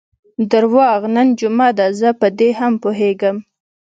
درواغ، نن جمعه ده، زه په دې هم پوهېږم.